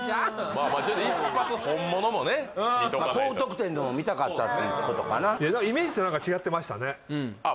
まあちょっと高得点でも見たかったっていうイメージと何か違ってましたねあっ